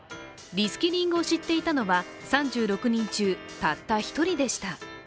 リスキリングを知っていたのは３６人中、たった１人でした。